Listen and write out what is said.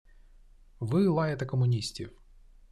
Ви лаєте комуністів